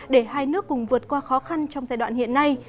để hai nước cùng vượt qua khó khăn trong giai đoạn hiện nay